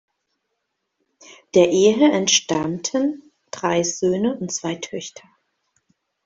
Der Ehe entstammten drei Söhne und zwei Töchter.